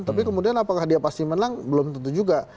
tapi kemudian apakah dia pasti menang belum tentu juga